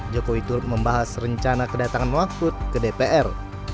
jokowi turut membahas rencana kedatangan mahfud ke dpr